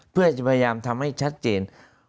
เพื่อจะพยายามทำให้ชัดเจน